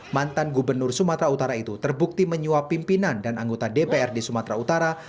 mantan gubernur sumatera utara itu terbukti menyuap pimpinan dan anggota dprd sumatera utara